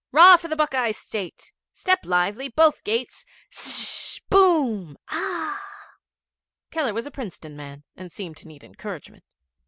'Rah for the Buckeye State. Step lively! Both gates! Szz! Boom! Aah!' Keller was a Princeton man, and he seemed to need encouragement.